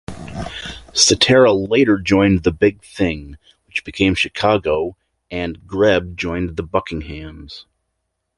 Cetera later joined The Big Thing, which became Chicago, and Grebb joined The Buckinghams.